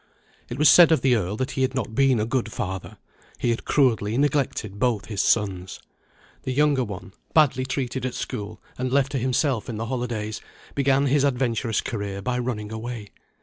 It was said of the Earl that he had not been a good father; he had cruelly neglected both his sons. The younger one, badly treated at school, and left to himself in the holidays, began his adventurous career by running away.